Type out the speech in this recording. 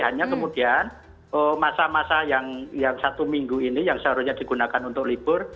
hanya kemudian masa masa yang satu minggu ini yang seharusnya digunakan untuk libur